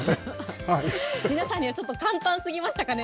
皆さんにはちょっと簡単すぎましたかね。